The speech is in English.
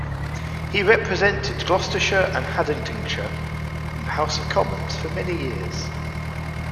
He represented Gloucestershire and Haddingtonshire in the House of Commons for many years.